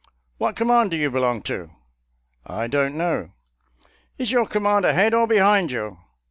" What command do you belong to.'' "" I don't know." " Is your command ahead or behind you?